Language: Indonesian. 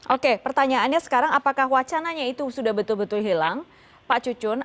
oke pertanyaannya sekarang apakah wacananya itu sudah betul betul hilang pak cucun